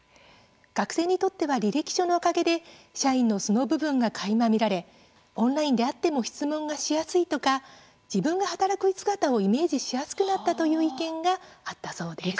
学生にとっては履歴書のおかげで社員の素の部分がかいま見られオンラインであっても質問がしやすいとか自分が働く姿をイメージしやすくなったという意見があったそうです。